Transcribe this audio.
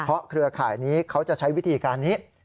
เพราะเครือข่ายนี้เขาจะใช้วิธีการนี้